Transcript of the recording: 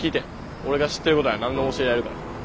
俺が知ってることは何でも教えられるから。